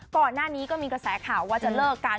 ก่อนหน้านี้ก็มีกระแสข่าวว่าจะเลิกกัน